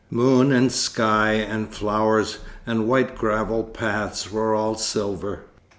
Moon and sky and flowers and white gravelled paths were all silver.